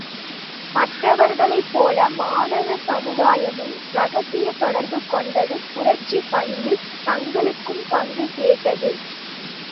மற்றவர்களைப் போல, மாணவ சமுதாயமும் இரகசியத் தொடர்பு கொண்டது புரட்சிப் பணியில் தங்களுக்கும் பங்கு கேட்டது.